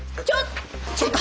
ちょっ。